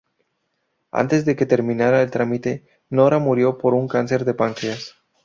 Antes de que terminara el trámite, Nora murió por un cáncer de páncreas.